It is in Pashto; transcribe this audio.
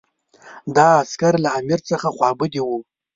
دا عسکر له امیر څخه خوابدي وو.